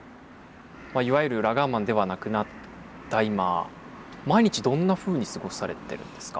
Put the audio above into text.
いわゆるラガーマンではなくなった今毎日どんなふうに過ごされてるんですか？